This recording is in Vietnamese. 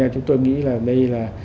chúng tôi nghĩ là đây là